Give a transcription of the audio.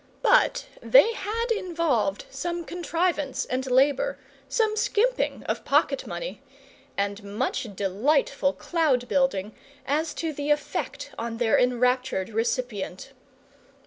But they had involved some contrivance and labour, some skimping of pocket money, and much delightful cloud building as to the effect on their enraptured recipient.